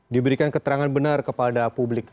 diberikan keterangan benar kepada publik